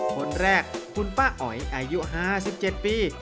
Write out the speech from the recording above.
หนึ่งในผู้ก่อตั้งห้องเฮียนสืบสารล้านนาแห่งนี้ล่ะครับ